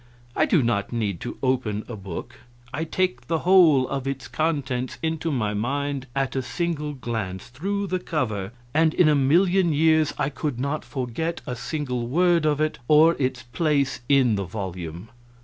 I do not need to open a book; I take the whole of its contents into my mind at a single glance, through the cover; and in a million years I could not forget a single word of it, or its place in the volume.